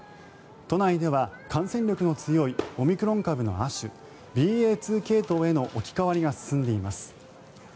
都内では感染力の強いオミクロン株の亜種ＢＡ．２系統への置き換わりが進んでいます。